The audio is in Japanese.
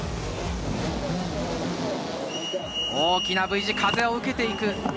大きなＶ字、風を受けていく。